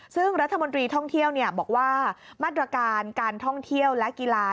ซึ่งรัฐมนตรีท่องเที่ยวบอกว่ามาตรการการท่องเที่ยวและกีฬา